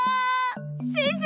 先生！